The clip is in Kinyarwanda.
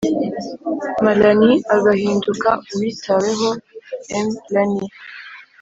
Ma lanie agahinduka uwitaweho m lanie